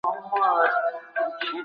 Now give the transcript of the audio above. د پلار رول د ماشوم په روزنه کې مهم دی.